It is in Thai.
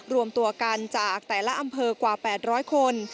รวมตัวกันจากแต่ละอำเภอกว่า๘๐๐คน